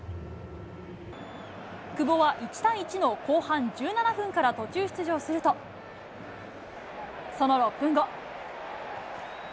久保は１対１の後半１７分から途中出場すると、その６分後。